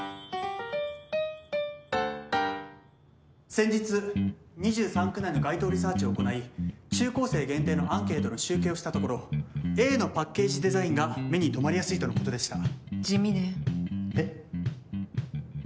先日、２３区内の街頭リサーチを行い中高生限定のアンケートを集計したところＡのパッケージデザインのほうが目に留まりやすいとのことでした。